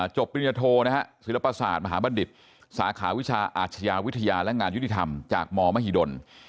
ปริญญโทนะฮะศิลปศาสตร์มหาบัณฑิตสาขาวิชาอาชญาวิทยาและงานยุติธรรมจากมมหิดล